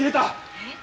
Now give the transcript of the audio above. えっ？